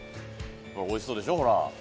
「おいしそうでしょほら」